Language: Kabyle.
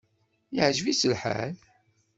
Iεǧeb-itt lḥal?